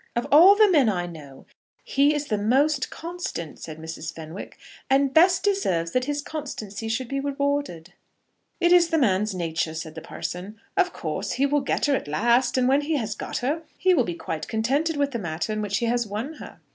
"Of all the men I know, he is the most constant," said Mrs. Fenwick, "and best deserves that his constancy should be rewarded." "It is the man's nature," said the parson. "Of course, he will get her at last; and when he has got her, he will be quite contented with the manner in which he has won her.